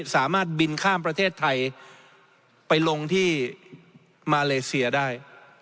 สามารถบินข้ามประเทศไทยไปลงที่มาเลเซียได้